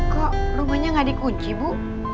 kok rumahnya nggak dikunci bu